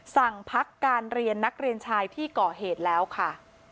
สั่งพักการเรียนนักเรียนชายที่ก่อเหตุแล้วค่ะ